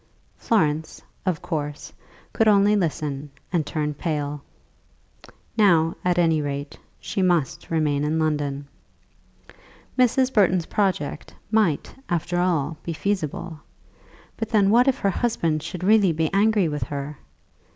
Florence, of course, could only listen and turn pale. Now at any rate she must remain in London. Mrs. Burton's project might, after all, be feasible; but then what if her husband should really be angry with her?